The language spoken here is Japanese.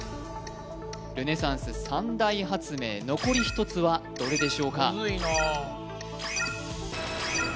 ルネサンス三大発明残り１つはどれでしょうか？